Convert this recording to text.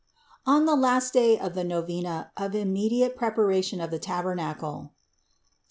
99. On the last day of the novena of immediate preparation of the tabernacle (Ps.